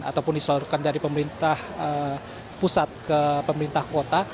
ataupun diseluruhkan dari pemerintah pusat ke pemerintah kota